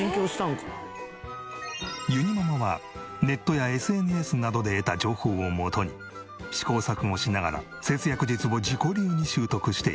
ゆにママはネットやＳＮＳなどで得た情報をもとに試行錯誤しながら節約術を自己流に習得している。